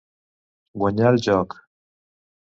Guanyar el joc.